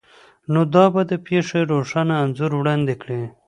نو دا به د پیښې روښانه انځور وړاندې کړي